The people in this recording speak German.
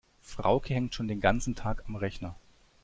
Frauke hängt schon den ganzen Tag am Rechner.